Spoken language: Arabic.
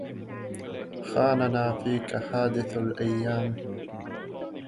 خاننا فيك حادث الأيام